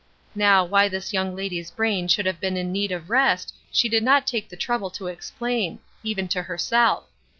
Now, why this young lady's brain should have been in need of rest she did not take the trouble to explain, even to herself.